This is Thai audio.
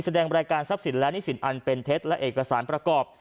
แสดงรายการทรัพย์สินและหนี้สินอันเป็นเท็จและเอกสารประกอบ